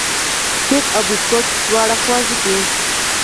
کیک او بسکوټ دواړه خوږې دي.